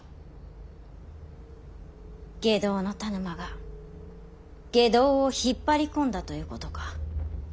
外道の田沼が外道を引っ張り込んだということか。